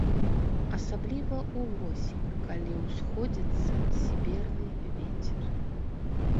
Асабліва ўвосень, калі ўсходзіцца сіберны вецер.